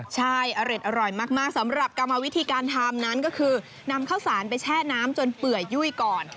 ใช่อร่อยมากสำหรับกรรมวิธีการทำนั้นก็คือนำข้าวสารไปแช่น้ำจนเปื่อยยุ่ยก่อน